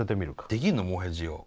できんの？もへじを。